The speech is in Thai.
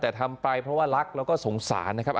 แต่ทำไปเพราะว่ารักแล้วก็สงสารนะครับ